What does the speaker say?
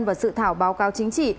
và sự thảo báo cáo chính trị